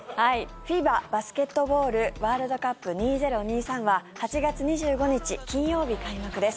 ＦＩＢＡバスケットボールワールドカップ２０２３は８月２５日、金曜日開幕です。